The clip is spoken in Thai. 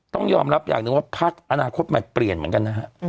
ต้องยอมรับอย่างหนึ่งว่าพักอนาคตใหม่เปลี่ยนเหมือนกันนะฮะ